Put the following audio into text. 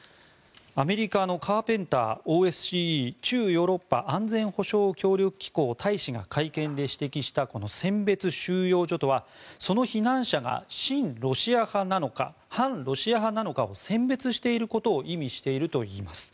アメリカのカーペンターＯＳＣＥ駐ヨーロッパ安全保障協力機構大使が会見で指摘したこの選別収容所とはその避難者が親ロシア派なのか反ロシア派なのかを選別していることを意味しているといいます。